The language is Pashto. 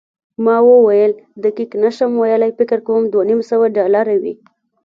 ما وویل، دقیق نه شم ویلای، فکر کوم دوه نیم سوه ډالره وي.